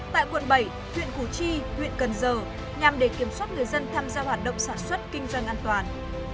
tại quận bảy huyện củ chi huyện cần giờ nhằm để kiểm soát người dân tham gia hoạt động sản xuất kinh doanh an toàn